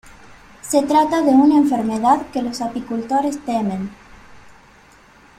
Se trata de una enfermedad que los apicultores temen.